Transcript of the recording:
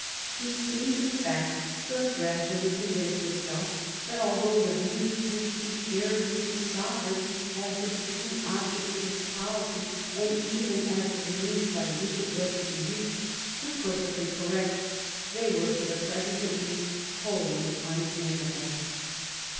He seems in fact j have gradually convinced himself that although the views which he shared with his sovereign as to the true object of his policy, and even as to the means by which it was to be reached, were 1748 55 CHANGE OF ALLIANCES 93 perfectly correct, they were for the present at least wholly unattainable.